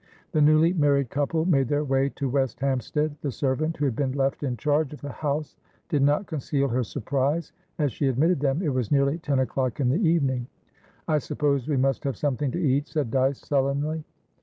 The newly married couple made their way to West Hampstead. The servant who had been left in charge of the house did not conceal her surprise as she admitted them. It was nearly ten o'clock in the evening. "I suppose we must have something to eat," said Dyce, sullenly.